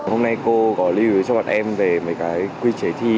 hôm nay cô có lưu ý cho bọn em về mấy cái quy chế thi